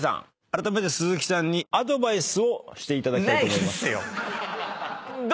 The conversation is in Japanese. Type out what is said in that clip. あらためて鈴木さんにアドバイスをしていただきたいと。